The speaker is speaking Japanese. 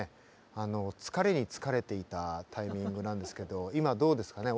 あの疲れに疲れていたタイミングなんですけど今どうですかね？